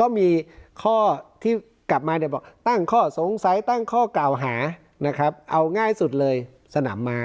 ก็มีข้อที่กลับมาตั้งข้อสงสัยตั้งข้อเก่าหาเอาง่ายสุดเลยสนามม้า